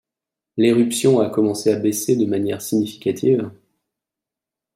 L'éruption a commencé à baisser de manière significative